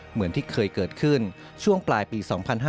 เหมือนที่เคยเกิดขึ้นช่วงปลายปี๒๕๕๙